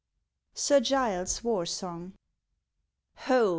SIR GILES' WAR SONG _Ho!